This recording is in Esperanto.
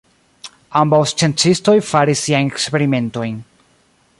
Ambaŭ sciencistoj faris siajn eksperimentojn.